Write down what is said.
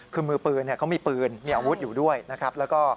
คือมือปืนเขามีปืนมีอาวุธอยู่ด้วยนะครับแล้วก็